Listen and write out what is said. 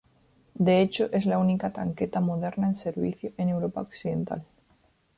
De hecho, es la única tanqueta moderna en servicio en Europa occidental.